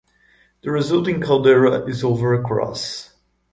The resulting caldera is over across.